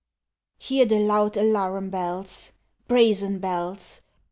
Hear the loud alarum bells Brazen bells!